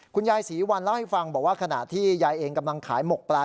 คุณยายศรีวัลเล่าให้ฟังบอกว่าขณะที่ยายเองกำลังขายหมกปลา